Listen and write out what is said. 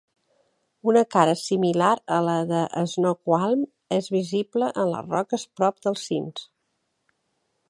Una cara similar a la de Snoqualm és visible en les roques prop dels cims.